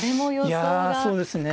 いやそうですね。